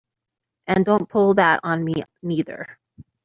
And don't pull that on me neither!